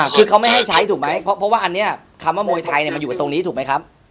คือเขาไม่ให้ใช้ถูกไหมเพราะว่าอันนี้คำว่ามวยไทยมันอยู่กันตรงนี้ถูกไหมครับ